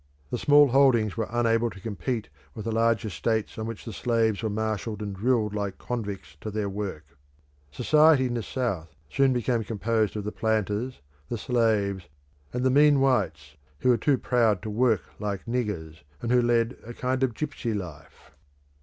The small holdings were unable to compete with the large estates on which the slaves were marshalled and drilled like convicts to their work; society in the South soon became composed of the planters, the slaves, and the mean whites who were too proud to work like niggers, and who led a kind of gipsy life.